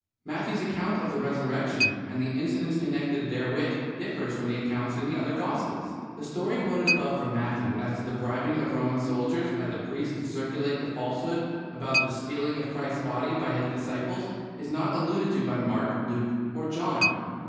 Matthew's account of the Resurrection and the incidents connected therewith differs from the accounts in the other Gospels. The story quoted above from Matthew as to the bribing of Roman soldiers by the priests to circulate the falsehood about the stealing of Christ's body by His disciples is not alluded to by Mark, Luke, or John.